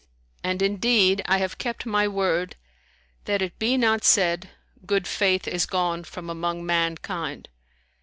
And indeed, I have kept my word, that it be not said, Good faith is gone from among mankind.'